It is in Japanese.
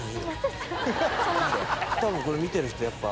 多分これ見てる人やっぱ。